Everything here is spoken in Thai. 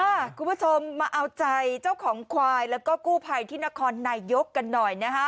คุณผู้ชมมาเอาใจเจ้าของควายแล้วก็กู้ภัยที่นครนายกกันหน่อยนะฮะ